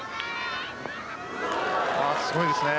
すごいですね。